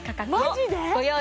マジで？